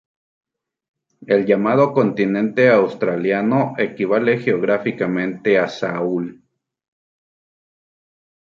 El llamado continente australiano equivale geográficamente a Sahul.